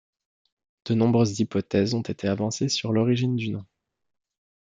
De nombreuses hypothèses ont été avancées sur l'origine du nom.